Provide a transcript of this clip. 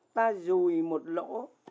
ta dùi một lỗ